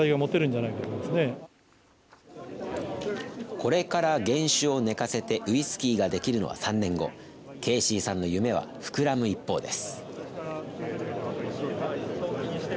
これから原酒を寝かせてウイスキーが出来るのは３年後ケイシーさんの夢は膨らむ一方です。